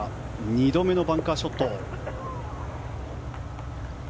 ２度目のバンカーショット。